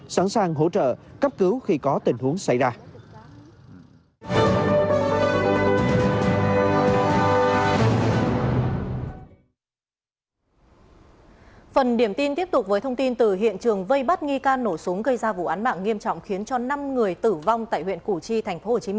sẵn sàng hỗ trợ cấp cứu khi có tình huống xảy ra